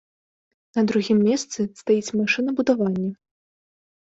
На другім месцы стаіць машынабудаванне.